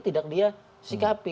tidak dia sikapi